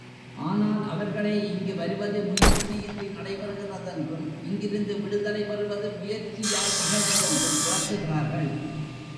ஆனால் அவர்களே இங்கு வருவது முயற்சியின்றி நடைபெறுகிறதென்றும் இங்கிருந்து விடுதலை பெறுவது முயற்சியால் நிகழ்வதென்றும் விளக்குகிறார்கள்.